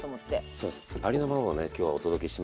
そうそうありのままをね今日はお届けします。